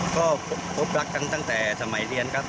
ก็พบรักกันตั้งแต่สมัยเรียนครับ